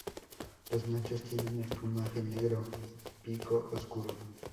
Los machos tienen el plumaje negro y pico oscuro.